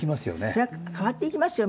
そりゃ変わっていきますよ